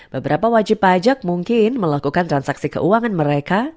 beberapa wajib pajak mungkin melakukan transaksi keuangan mereka